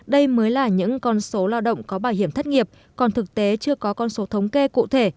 đây mới là những con số lao động có bảo hiểm thất nghiệp còn thực tế chưa có con số thống kê cụ thể